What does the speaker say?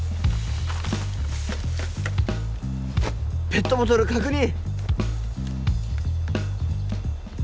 ペットボトル確認。